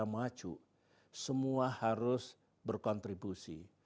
maju semua harus berkontribusi